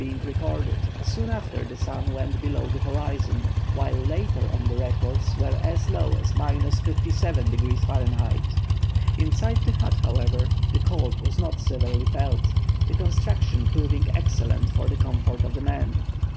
being recorded, soon after the sun went below the horizon, while later on the records were as low as 57° Fahr. Inside the hut, however, the cold was not severely felt, the construction proving excellent for the comfort of the men.